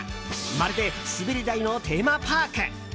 まるで滑り台のテーマパーク。